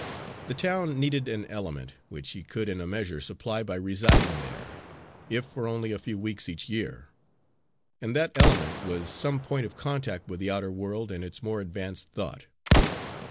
The town needed an element, which he could in a measure supply by residing there, if for only a few weeks each year. And that element was some point of contact with the outer world and its more advanced thought.